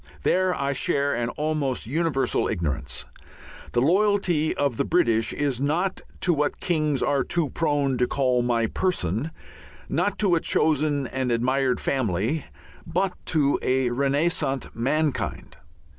There I share an almost universal ignorance. The loyalty of the British is not to what kings are too prone to call "my person," not to a chosen and admired family, but to a renascent mankind.